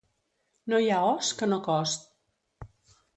No hi ha os que no cost.